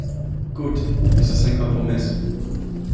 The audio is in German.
Gut, es ist ein Kompromiss.